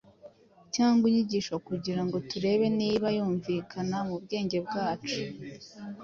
cyangwa inyigisho kugira ngo turebe niba yumvikana mu bwenge bwacu,